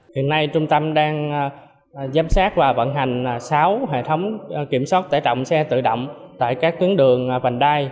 hiện nay trung tâm đang giám sát và vận hành sáu hệ thống kiểm soát tải trọng xe tự động tại các tuyến đường vành đai